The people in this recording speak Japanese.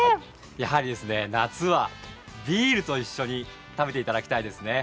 やはり夏はビールと一緒に食べていただきたいですね。